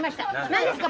何ですか？